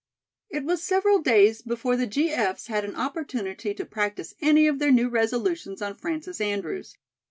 It was several days before the G. F.'s had an opportunity to practise any of their new resolutions on Frances Andrews.